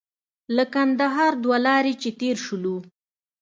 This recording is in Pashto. له کندهار دوه لارې چې تېر شولو.